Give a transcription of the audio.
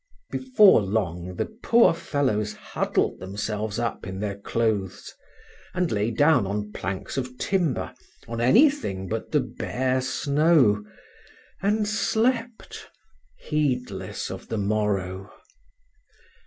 Before long the poor fellows huddled themselves up in their clothes, and lay down on planks of timber, on anything but the bare snow, and slept heedless of the morrow.